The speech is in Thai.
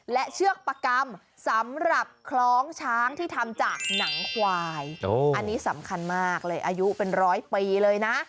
และเชือกประกรรมสำหรับคล้องช้างที่ทำจากหนังควายอันนี้สำคัญมากเลยอายุเป็นร้อยปีเลยนะ